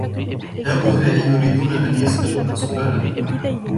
هؤلاء يريدون أن يسألوك سؤالاً.